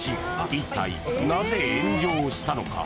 一体なぜ炎上したのか。